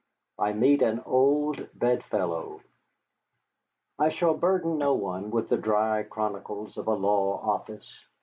I MEET AN OLD BEDFELLOW I shall burden no one with the dry chronicles of a law office.